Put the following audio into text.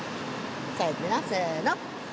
そうやってなせの！